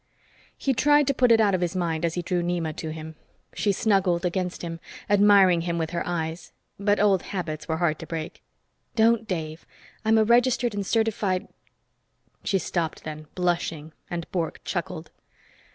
He tried to put it out of his mind as he drew Nema to him. She snuggled against him, admiring him with her eyes. But old habits were hard to break. "Don't, Dave. I'm a registered and certified " She stopped then, blushing, and Bork chuckled.